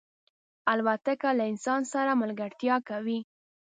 الوتکه له انسان سره ملګرتیا کوي.